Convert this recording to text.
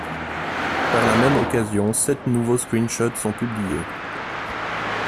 Par la même occasion, sept nouveaux screenshots sont publiés.